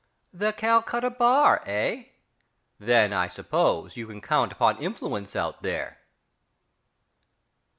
The Calcutta Bar, eh? Then I suppose you can count upon influence out there?...